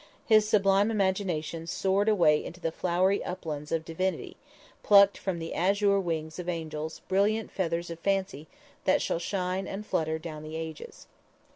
His sublime imagination soared away into the flowery uplands of Divinity, and plucked from the azure wings of angels brilliant feathers of fancy that shall shine and flutter down the ages.